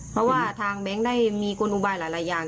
เพราะว่าทางแบงค์ได้มีกลอุบายหลายอย่าง